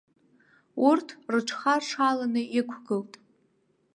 Урҭ рыҽхаршаланы иқәгылт.